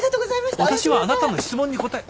私はあなたの質問に答え。